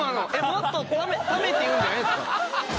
もっとためて言うんじゃないんすか？